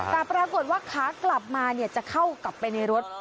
แต่ปรากฏว่าขากลับมาจะเข้ากลับไปในรถ